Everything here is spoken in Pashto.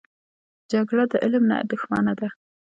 جګړه د علم دښمنه ده